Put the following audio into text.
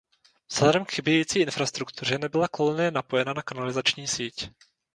Vzhledem k chybějící infrastruktuře nebyla kolonie napojena na kanalizační síť.